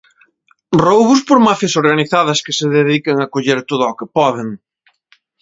Roubos por mafias organizadas que se dedican a coller todo o que poden.